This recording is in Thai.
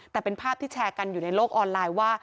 แต่เป็นภาพที่แชร์กันอยู่ในโลกออนไลน์ว่า